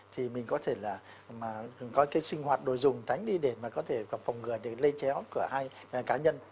thì mình có thể là có cái sinh hoạt đồ dùng tránh đi để mà có thể phòng ngừa để lây chéo của hai cá nhân